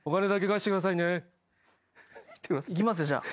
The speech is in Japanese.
いきますよじゃあ。